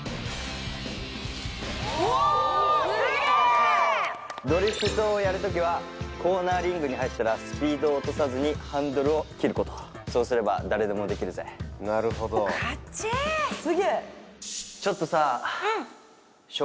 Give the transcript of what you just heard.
おドリフトをやるときはコーナーリングに入ったらスピードを落とさずにハンドルを切ることそうすれば誰でもできるぜフゥーすごそうかっけえんだよなよし！